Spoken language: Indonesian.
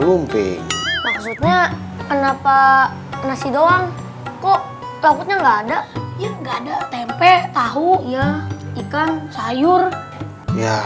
lumpi maksudnya kenapa nasi doang kok takutnya enggak ada ya enggak ada tempe tahu ya ikan sayur ya